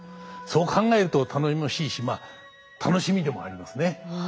そう考えると頼もしいし楽しみでもありますね。